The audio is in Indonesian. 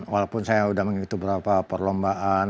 walaupun saya sudah mengikuti beberapa perlombaan